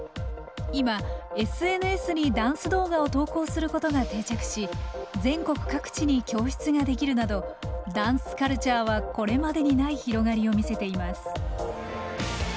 今ＳＮＳにダンス動画を投稿することが定着し全国各地に教室ができるなどダンスカルチャーはこれまでにない広がりを見せています。